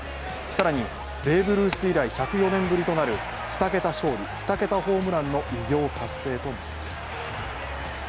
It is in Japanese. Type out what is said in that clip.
更にベーブ・ルース以来１０４年ぶりとなる２桁勝利・２桁ホームランの偉業達成となります。